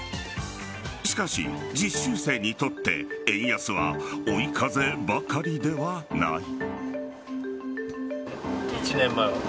しかし、実習生にとって円安は追い風ばかりではない。